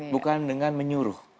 bukan dengan menyuruh